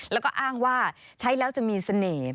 แล้วก็อ้างว่าใช้แล้วจะมีเสน่ห์